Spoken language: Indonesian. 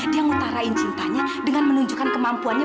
dia ngutarain cintanya dengan menunjukkan kemampuannya